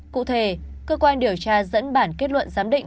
cụ thể cơ quan điều tra dẫn bản kết luận giám định